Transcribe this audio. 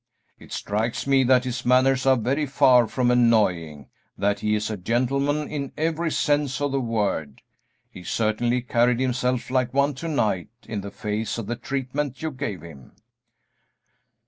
It strikes me that his manners are very far from annoying; that he is a gentleman in every sense of the word; he certainly carried himself like one to night in the face of the treatment you gave him."